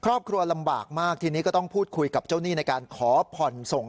ครอบครัวลำบากมากทีนี้ก็ต้องพูดคุยกับเจ้าหนี้ในการขอผ่อนส่ง